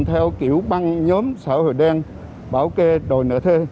theo kiểu băng nhóm xã hội đen bảo kê đội nợ thê